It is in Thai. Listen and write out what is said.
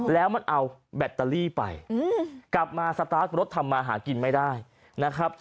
แล้วมันเอาแบตเตอรี่ไปกลับมาสตาร์ทรถทำมาหากินไม่ได้นะครับ